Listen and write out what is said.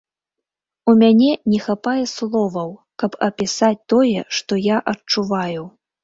У мяне не хапае словаў, каб апісаць тое, што я адчуваю.